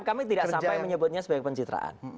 kami tidak sampai menyebutnya sebagai pencitraan